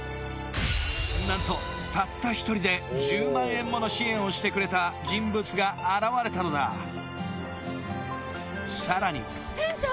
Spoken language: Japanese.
何とたった１人で１０万円もの支援をしてくれた人物が現れたのださらに店長！